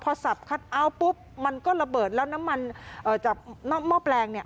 พอสับคัทเอาท์ปุ๊บมันก็ระเบิดแล้วน้ำมันจากหม้อแปลงเนี่ย